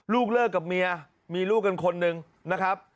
ลูกเลิกกับเมียมีลูกกันคนหนึ่งนะครับ